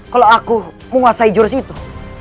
kalau aku menguasai jurus itu